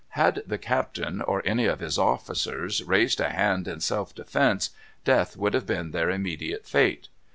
Had the captain or any of his officers raised a hand in self defence, death would have been their immediate fate.